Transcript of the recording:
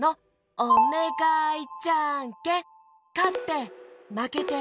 おねがいじゃんけんかってまけて！